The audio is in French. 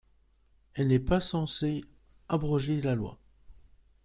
Elle n'est pas censée abroger la loi.